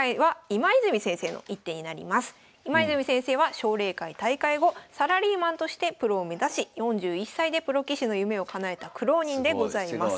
今泉先生は奨励会退会後サラリーマンとしてプロを目指し４１歳でプロ棋士の夢をかなえた苦労人でございます。